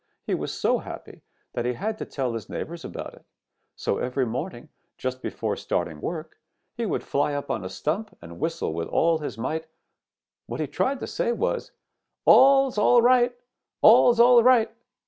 He was so happy that he had to tell his neighbors about it. So every morning, just before starting work, he would fly up on a stump and whistle with all his might; what he tried to say was, 'All all's right! All all's right!'